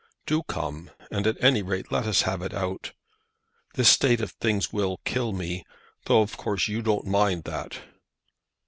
Do come and at any rate let us have it out. This state of things will kill me, though, of course, you don't mind that.